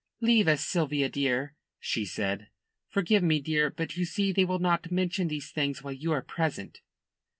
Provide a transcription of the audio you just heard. "Leave us, Sylvia, please," she said. "Forgive me, dear. But you see they will not mention these things while you are present."